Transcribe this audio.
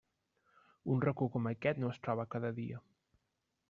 Un racó com aquest no es troba cada dia.